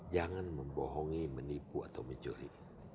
jangan membohongi menipu atau mencuri